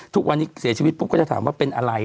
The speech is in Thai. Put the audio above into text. ทุกวันนี้เสียชีวิตปุ๊บก็จะถามว่าเป็นอะไร